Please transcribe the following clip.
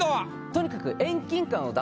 とにかく。